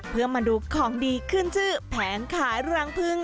เพื่อมาดูของดีขึ้นชื่อแผงขายรังพึ่ง